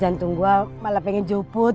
jantung gue malah pengen juput